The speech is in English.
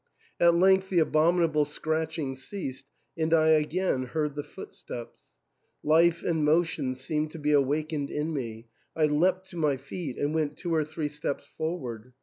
At length the abominable scratching ceased, and I again heard the footsteps. Life and motion seemed to be awakened in me ; I leapt to my feet, and went two or three steps forward.